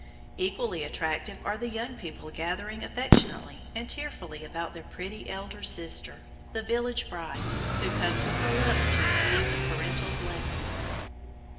Equally attractive are the young people gathering affectionately and tearfully about their pretty elder sister, the Village Bride, who comes with her lover to receive the parental blessing.